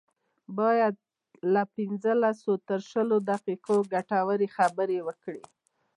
بايد له پنځلسو تر شلو دقيقو ګټورې خبرې وکړي.